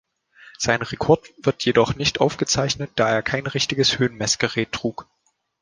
Sein Rekord wird jedoch nicht aufgezeichnet, da er kein richtiges Höhenmessgerät trug.